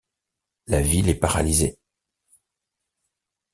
La ville est paralysée.